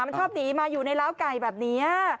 มันชอบหนีมาอยู่ในล้าวไก่แบบนี้